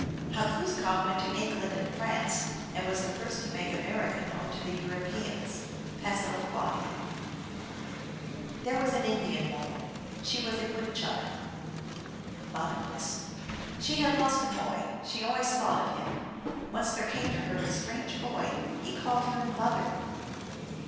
127 How Glooskap went to England and France, and was the first to make America known to the Europeans. (Passamaquoddy.) There was an Indian woman : she was a Woodchuck (Mon in kwess, P.). She had lost a boy; she always thought of him. Once there came to her a strange boy ; he called her mother.